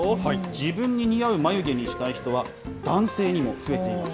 自分に似合う眉毛にしたい人は男性にも増えています。